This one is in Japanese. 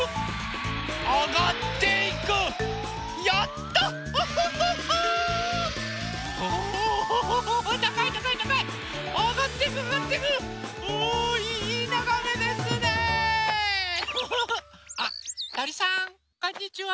あっとりさんこんにちは。